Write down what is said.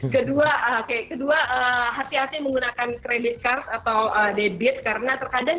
kedua hati hati menggunakan credit card atau debit karena terkadang kita fail